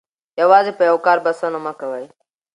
یوازې په یو کار بسنه مه کوئ.